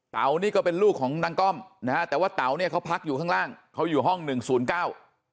นี่ก็เป็นลูกของนางก้อมนะฮะแต่ว่าเต๋าเนี่ยเขาพักอยู่ข้างล่างเขาอยู่ห้องหนึ่งศูนย์เก้า